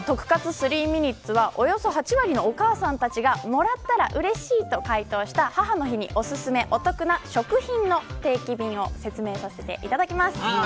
３ｍｉｎｕｔｅｓはおよそ８割のお母さんたちがもらったらうれしいと回答した母の日におすすめな、お得な食品の定期便を説明させていただきます。